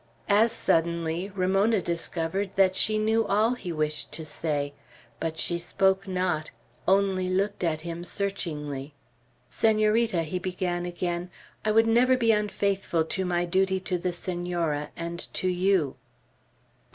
As suddenly, Ramona discovered that she knew all he wished to say. But she spoke not, only looked at him searchingly. "Senorita," he began again, "I would never be unfaithful to my duty to the Senora, and to you."